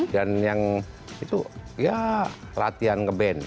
dan yang itu ya latihan ngeband